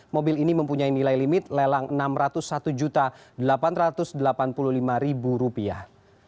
mobil ini mempunyai nilai limit lelang enam ratus satu delapan ratus delapan puluh lima rupiah